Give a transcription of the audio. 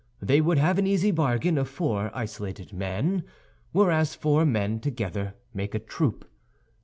They would have an easy bargain of four isolated men; whereas four men together make a troop.